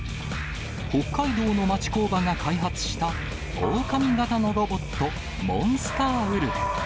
北海道の町工場が開発した、オオカミ型のロボット、モンスターウルフ。